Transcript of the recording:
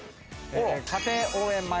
家庭応援米。